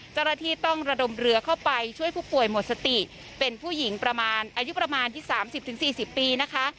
เจ้าหน้าที่ต้องระดมเรือเข้าไปช่วยผู้ป่วยหมดสติเป็นผู้หญิงประมาณอายุประมาณ๓๐๔๐ปีนะคะ